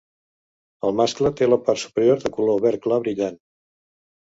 El mascle té la part superior de color verd clar brillant.